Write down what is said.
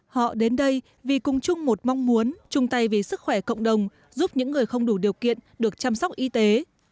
họ đến đây vì cùng chung một mong muốn chung tay vì sức khỏe cộng đồng giúp những người không đủ điều kiện được chăm sóc y tế